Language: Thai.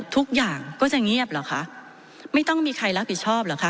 ทุกอย่างก็จะเงียบเหรอคะไม่ต้องมีใครรับผิดชอบเหรอคะ